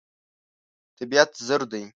طبیعت زر دی.